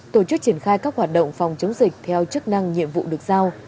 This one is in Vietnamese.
tổ chức triển khai các hoạt động phòng chống dịch theo chức năng nhiệm vụ được giao